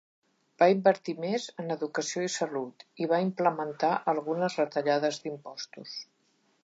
Va invertir més en educació i salut, i va implementar algunes retallades d'impostos.